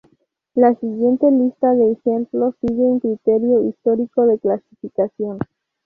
La siguiente lista de ejemplos sigue un criterio histórico de clasificación.